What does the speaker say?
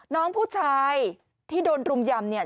น้องผู้ชายที่โดนรุมยำ